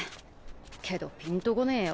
けどピンとこねえよ。